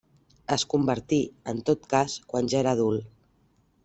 Es convertí, en tot cas, quan ja era adult.